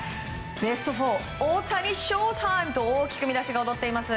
ベスト４大谷ＳＨＯＴＩＭＥと大きく見出しが躍っています